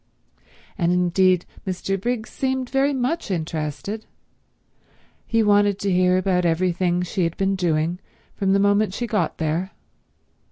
And indeed Mr. Briggs seemed very much interested. He wanted to hear all about everything she had been doing from the moment she got there.